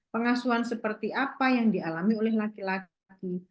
pengasuhan seperti apa yang dialami oleh laki laki